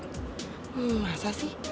hmm masa sih